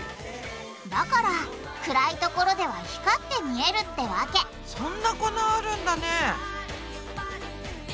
だから暗いところでは光って見えるってわけそんな粉あるんだね！